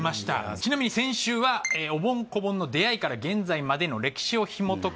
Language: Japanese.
ちなみに先週はおぼん・こぼんの出会いから現在までの歴史をひもとく